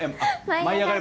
舞いあがれ！